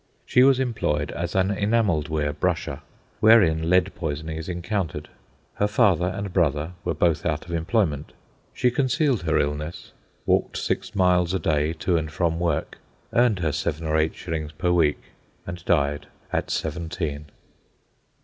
She was employed as an enamelled ware brusher, wherein lead poisoning is encountered. Her father and brother were both out of employment. She concealed her illness, walked six miles a day to and from work, earned her seven or eight shillings per week, and died, at seventeen.